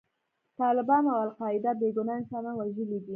طالبانو او القاعده بې ګناه انسانان وژلي دي.